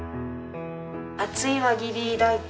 厚い輪切り大根